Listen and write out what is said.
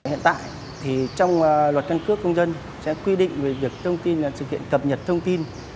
hiện tại thì trong luật căn cước công dân sẽ quy định về việc thông tin là thực hiện cập nhật thông tin